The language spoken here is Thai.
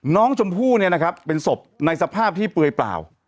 น้องชมพู่เนี่ยนะครับเป็นศพในสภาพที่เปลือยเปล่า